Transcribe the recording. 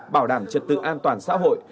bảo đảm trật tự an toàn xã hội